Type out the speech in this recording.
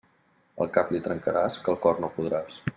El cap li trencaràs, que el cor no podràs.